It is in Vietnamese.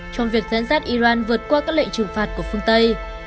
trong việc dẫn dắt iran vượt qua các lệnh trừng phạt của phương tây